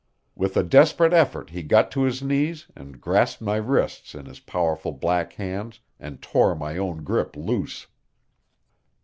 With a desperate effort he got to his knees and grasped my wrists in his powerful black hands and tore my own grip loose.